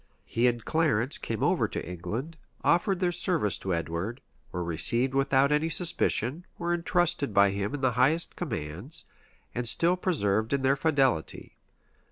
He and Clarence came over to England, offered their service to Edward, were received without any suspicion, were intrusted by him in the highest commands,[] and still persevered in their fidelity.